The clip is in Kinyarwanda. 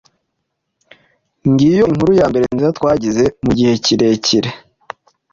Ngiyo inkuru yambere nziza twagize mugihe kirekire.